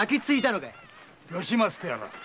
吉松とやら。